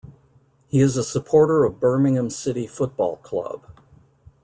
He is a supporter of Birmingham City Football Club.